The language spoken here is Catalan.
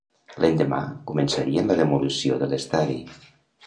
L'endemà, començarien la demolició de l'estadi.